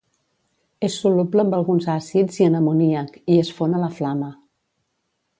És soluble amb alguns àcids i en amoníac i es fon a la flama.